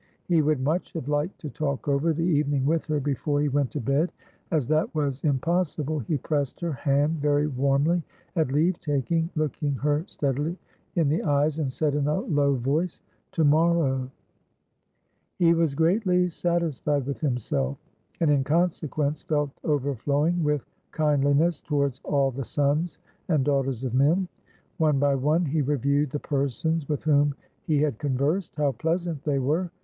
He would much have liked to talk over the evening with her before he went to bed; as that was impossible, he pressed her hand very warmly at leave taking, looking her steadily in the eyes, and said in a low voice. "To morrow." He was greatly satisfied with himself, and, in consequence, felt overflowing with kindliness towards all the sons and daughters of men. One by one he reviewed the persons with whom he had conversed. How pleasant they were!